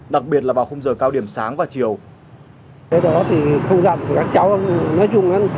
đặc biệt là vào khung giờ cao điểm sáng và chiều